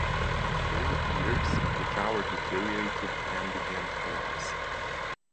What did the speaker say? Over the years, the tower deteriorated and began to collapse.